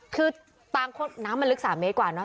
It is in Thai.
คือต่างน้ำมันลึก๓เมตรกว่าเนอ